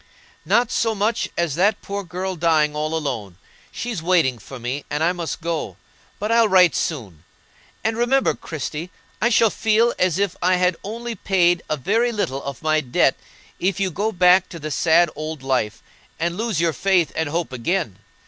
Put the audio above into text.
"Not so much as that poor girl dying all alone. She's waiting for me, and I must go. But I'll write soon; and remember, Christie, I shall feel as if I had only paid a very little of my debt if you go back to the sad old life, and lose your faith and hope again.